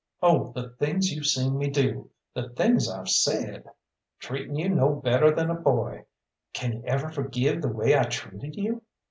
Oh, the things you've seen me do, the things I've said treating you no better than a boy. Can you ever forgive the way I treated you?"